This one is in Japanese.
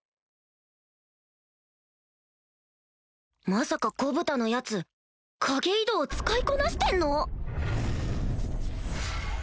まさかゴブタのやつ影移動を使いこなしてんの？